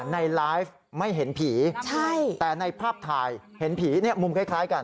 ในไลฟ์ไม่เห็นผีแต่ในภาพถ่ายเห็นผีมุมคล้ายกัน